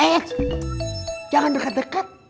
eh jangan dekat dekat